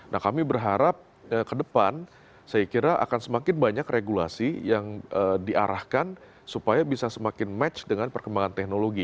nah kami berharap ke depan saya kira akan semakin banyak regulasi yang diarahkan supaya bisa semakin match dengan perkembangan teknologi